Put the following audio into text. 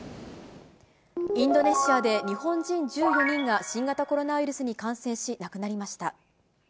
インドネシアで日本人１４人が新型コロナウイルスに感染し亡くなりました。